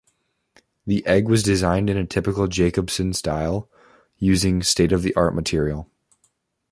The Egg was designed in a typical Jacobsen style, using state-of-the-art material.